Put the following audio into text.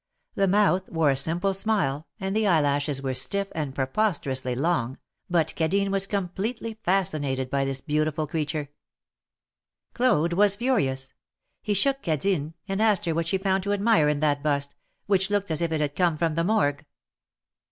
The mouth wore a simple smile, and the eyelashes were stiff and preposterously long, but Cadine was completely fascinated by this beautiful creature. 196 THE MARKETS OF PARIS. Claude was furious. He shook Cadine, and asked her what she found to admire in that bust, ^Svhich looked as if it had come from the Morgue